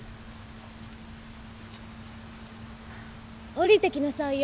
下りてきなさいよ！